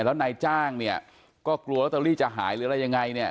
แล้วนายจ้างเนี่ยก็กลัวลอตเตอรี่จะหายหรืออะไรยังไงเนี่ย